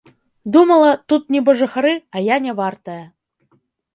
Думала, тут небажыхары, а я нявартая.